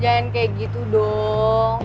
jangan kayak gitu dong